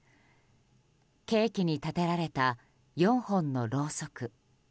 ケーキに立てられた４本のろうそく。